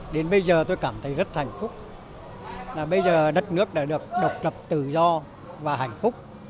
đến bây giờ tôi cảm thấy rất hạnh phúc là bây giờ đất nước đã được độc lập tự do và hạnh phúc